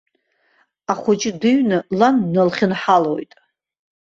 Ахәыҷы дыҩны лан дналхьынҳалоит.